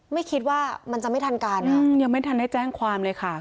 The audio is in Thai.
ไม่คิดว่ามันจะไม่ทันการยังไม่ทันได้แจ้งความเลยค่ะ